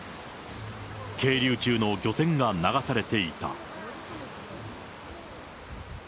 係留中の漁船が流されていた。